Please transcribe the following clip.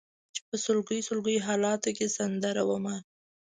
چې په سلګۍ سلګۍ حالاتو کې سندره ومه